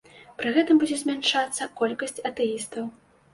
Пры гэтым будзе змяншацца колькасць атэістаў.